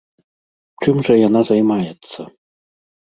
Чым жа яна займаецца?